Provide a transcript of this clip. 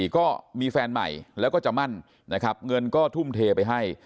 ก็มีแฟนใหม่แล้วก็จะมั่นนะครับเงินก็ทุ่มเทไปให้